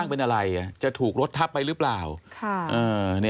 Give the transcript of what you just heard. ตกลงไปจากรถไฟได้ยังไงสอบถามแล้วแต่ลูกชายก็ยังไง